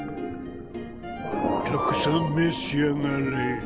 たくさん召し上がれ。